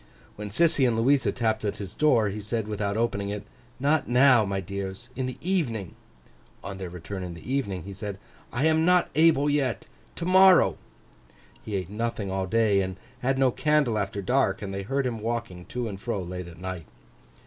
When Sissy and Louisa tapped at his door, he said, without opening it, 'Not now, my dears; in the evening.' On their return in the evening, he said, 'I am not able yet—to morrow.' He ate nothing all day, and had no candle after dark; and they heard him walking to and fro late at night.